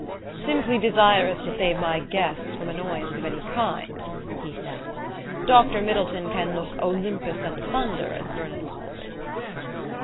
"Simply desirous to save my guests from annoyance of any kind", he said. "Dr Middleton can look 'Olympus and thunder', as Vernon calls it."